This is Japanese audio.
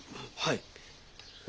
はい。